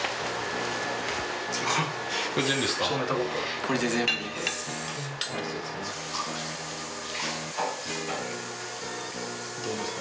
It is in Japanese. これ全部ですか？